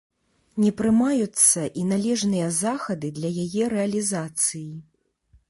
Не прымаюцца і належныя захады для яе рэалізацыі.